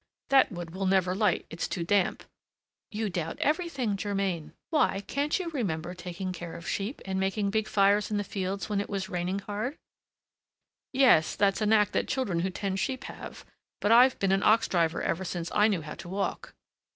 "That wood will never light, it's too damp." "You doubt everything, Germain! Why, can't you remember taking care of sheep and making big fires in the fields when it was raining hard?" "Yes, that's a knack that children who tend sheep have; but I've been an ox driver ever since I knew how to walk."